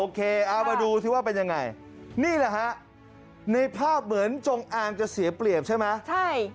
เอามาดูสิว่าเป็นยังไงนี่แหละฮะในภาพเหมือนจงอางจะเสียเปรียบใช่ไหมใช่